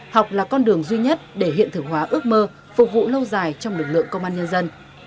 học là con đường duy nhất để hiện thực hóa ước mơ phục vụ lâu dài trong lực lượng công an nhân dân